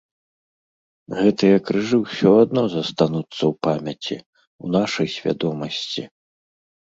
Гэтыя крыжы ўсё адно застануцца ў памяці, у нашай свядомасці.